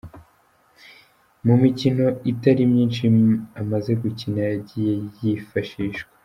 Mu mikino itari myinshi amaze gukina, yagiye yifashishwa